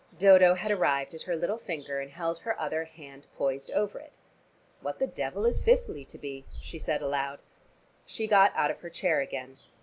Dodo had arrived at her little finger and held her other hand poised over it. "What the devil is fifthly to be?" she said aloud. She got out of her chair again.